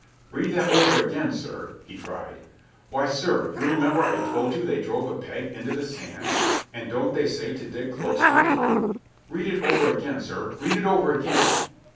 "Read that over again, sir," he cried. "Why, sir, you remember I told you they drove a peg into the sand. And don't they say to dig close to it? Read it over again, sir read it over again!"